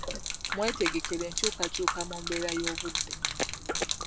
Mwetegekere enkyukakyuka mu mbeera y'obudde.